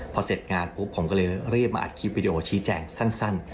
พอเสร็จงานปุ๊บผมก็เลยรีบมาอัดคลิปวิดีโอชี้แจงสั้น